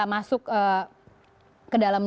jadi seperti bang tun